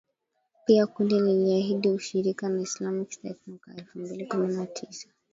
Pia kundi liliahidi ushirika na Islamic State mwaka elfu mbili kumi na tisa